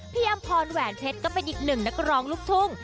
อำพรแหวนเพชรก็เป็นอีกหนึ่งนักร้องลูกทุ่ง